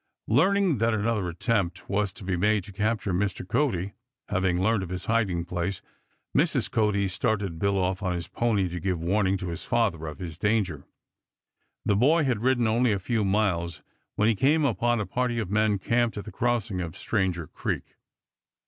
Learning that another attempt was to be made to capture Mr. Cody, having learned of his hiding place, Mrs. Cody started Bill off on his pony to give warning to his father of his danger. The boy had ridden only a few miles when he came upon a party of men camped at the crossing of Stranger Creek.